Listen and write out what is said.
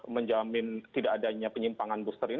menjamin tidak adanya penyimpangan booster ini